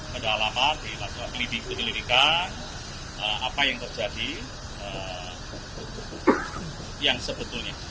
pedalaman dilibikan apa yang terjadi yang sebetulnya